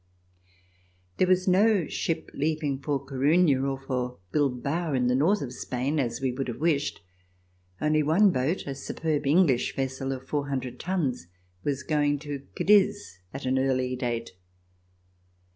There was no ship leaving for Coruna or for Bilbao in the north of Spain, as we would have wished. Only one boat, a superb English vessel of four hundred tons, was going to Cadiz at an early date.